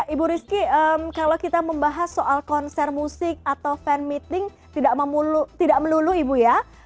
ibu rizky kalau kita membahas soal konser musik atau fan meeting tidak melulu ibu ya